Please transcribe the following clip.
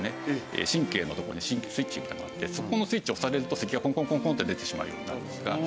神経のところにスイッチみたいなものがあってそこのスイッチを押されると咳がコンコンコンコンって出てしまうようになるんですが。